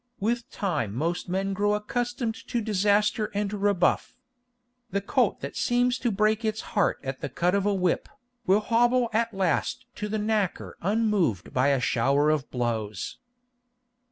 With time most men grow accustomed to disaster and rebuff. The colt that seems to break its heart at the cut of a whip, will hobble at last to the knacker unmoved by a shower of blows.